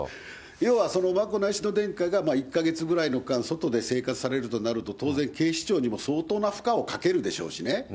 要は眞子内親王殿下が１か月ぐらいの間、外で生活されるとなると、当然、警視庁にも相当な負荷をかけるでしょうしね。